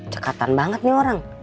cekatan banget nih orang